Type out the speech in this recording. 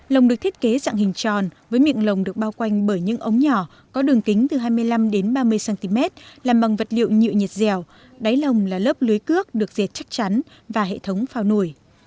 lồng được thiết kế dạng hình tròn với miệng lồng được bao quanh bởi những ống nhỏ có đường kính từ hai mươi năm đến ba mươi cm làm bằng vật liệu nhựa nhiệt dẻo đáy lồng là lớp lưới cước được diệt chắc chắn và hệ thống phao nổi